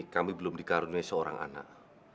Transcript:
kami belum dikaruniai seorang anak